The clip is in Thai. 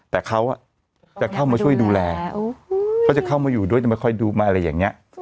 แต่เขาจะเข้ามาช่วยดูแลเขาจะเข้ามาอยู่ด้วยจะไม่ค่อยดูมาอะไรอย่างนี้